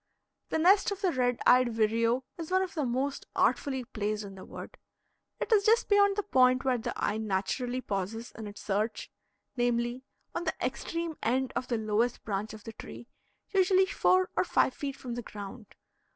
The nest of the red eyed vireo is one of the most artfully placed in the wood. It is just beyond the point where the eye naturally pauses in its search; namely, on the extreme end of the lowest branch of the tree, usually four or five feet from the ground.